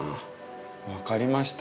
分かりました。